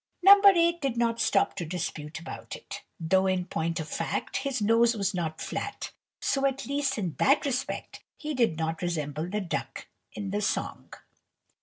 No. 8 did not stop to dispute about it, though, in point of fact, his nose was not flat, so at least in that respect he did not resemble the duck in the song.